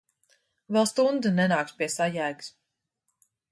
Vēl stundu nenāks pie sajēgas.